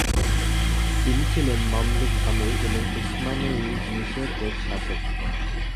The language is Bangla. তিনি ছিলেন মামলুক আমির এবং উসমানয়ি মিশর এর শাসক।